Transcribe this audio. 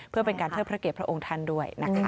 เพื่อเป็นการเทิดพระเกียรติพระองค์ท่านด้วยนะคะ